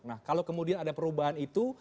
nah kalau kemudian ada perubahan itu